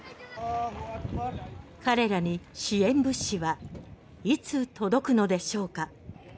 彼らに支援物資はいつ届くのでしょうか？